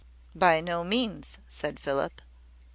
"By no means," said Philip.